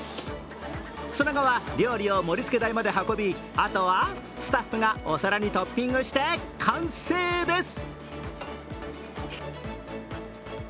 その後は、料理を盛りつけ台まで運びあとはスタッフがお皿にトッピングして完成です。